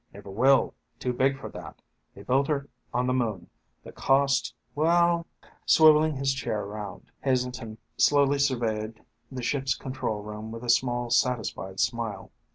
Never will. Too big for that. They built her on the moon. The cost? Well ..." Swiveling his chair around, Heselton slowly surveyed the ship's control room with a small, satisfied smile.